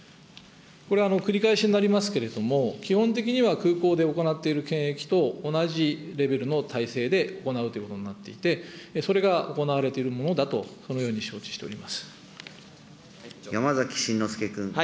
これは繰り返しになりますけれども、基本的には空港で行っている検疫と同じレベルの体制で行うということになっていて、それが行われているものだと、そのように承知山崎真之輔君。